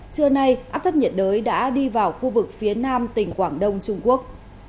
trưa nay áp thấp nhiệt đới đã đi vào khu vực phía nam tỉnh quảng đông trung quốc